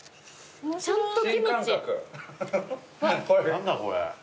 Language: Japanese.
何だこれ？